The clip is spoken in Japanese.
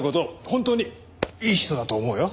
本当にいい人だと思うよ。